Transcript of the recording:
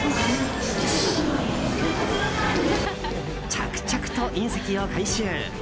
着々と隕石を回収。